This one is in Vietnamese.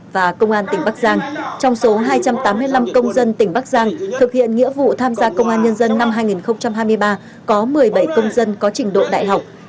và công an tỉnh bắc giang trong số hai trăm tám mươi năm công dân tỉnh bắc giang thực hiện nghĩa vụ tham gia công an nhân dân năm hai nghìn hai mươi ba có một mươi bảy công dân có trình độ đại học